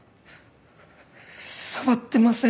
触ってません。